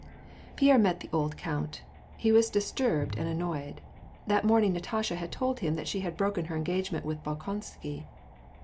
Pierre met the old count. He was disturbed and an noyed. That morning Katasha had told him that she had broken her engagement with Bolkonsky.